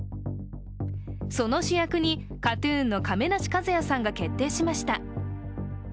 その主役にＫＡＴ−ＴＵＮの亀梨和也さんが決定しました。